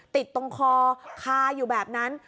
ติดตรงคอคาอยู่แบบนั้น